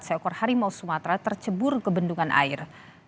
seekor harimau sumatera tercebur ke bendungan air